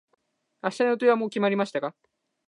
明日の予定はもう決まりましたか。